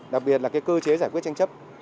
đặc biệt là cơ chế giải quyết tranh chấp